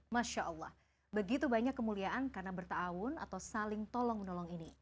masya allah begitu banyak kemuliaan karena ⁇ taawun atau saling tolong menolong ini